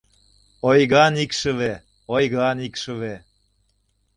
— Ойган икшыве, ойган икшыве...